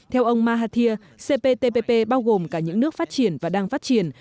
theo ông mahathir cptpp bao gồm cả những nước phát triển và đang phát triển